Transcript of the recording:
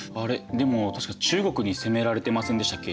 でも確か中国に攻められてませんでしたっけ？